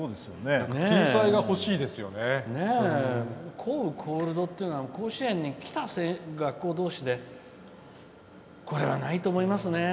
降雨コールドっていうのは甲子園にきた学校同士であれはないと思いますね。